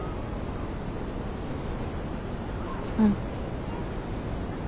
うん。